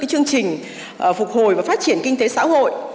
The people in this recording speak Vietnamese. chương trình phục hồi và phát triển kinh tế xã hội